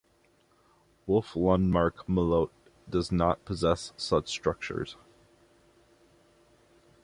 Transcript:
Wolf-Lundmark-Melotte does not possess such structures.